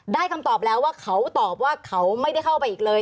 คำตอบแล้วว่าเขาตอบว่าเขาไม่ได้เข้าไปอีกเลย